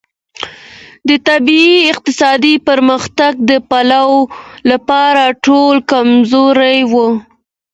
د طبیعي اقتصاد ترڅنګ د پلور لپاره تولید کمزوری و.